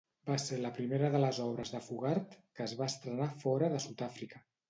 Va ser la primera de les obres de Fugard que es va estrenar fora de Sud-Àfrica.